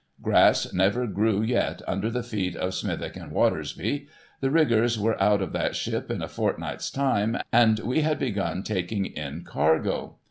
Grass never grew yet under the feet of Smithick and \\'atersby. The riggers were out of that ship in a fortnight's time, and we had begun taking in cargo.